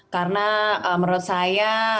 karena menurut saya